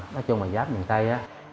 nói chung là giáp miền tây